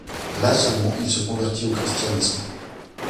Là seulement il se convertit au christianisme.